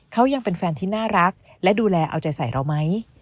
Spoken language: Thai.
เขายังเป็นแฟนที่น่ารักและดูแลเอาใจใส่เราไหม